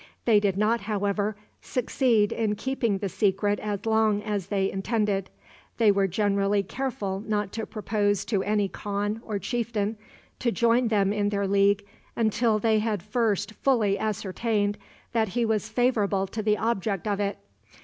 They did not, however, succeed in keeping the secret as long as they intended. They were generally careful not to propose to any khan or chieftain to join them in their league until they had first fully ascertained that he was favorable to the object of it.